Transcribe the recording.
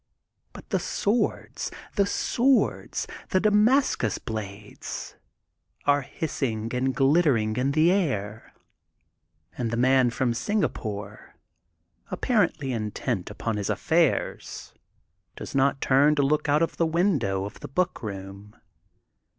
But the swords, the swords, the Damascus blades, are hissing and glittering in the air. And the Man from Singapore, ap parently intent upon his affairs does not turn to look out of the window of the book room.